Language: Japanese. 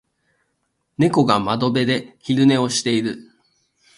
猫が窓辺で昼寝をしている。